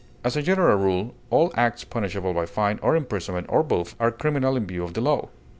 As a general rule, all acts punishable by fine or imprisonment or both, are criminal in view of the law.